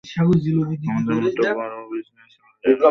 আমাদের মতো বড় বিজনেসম্যানের নজর সবসময় আগামীকালের উপর থাকে।